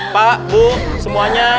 pak bu semuanya